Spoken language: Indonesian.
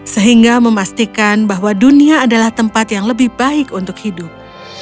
sehingga memastikan bahwa dunia adalah tempat yang lebih baik untuk hidup